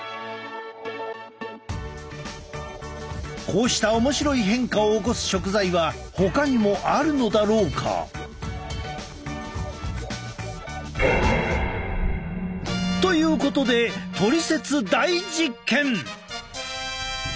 こうした面白い変化を起こす食材はほかにもあるのだろうか。ということでトリセツ大実験！！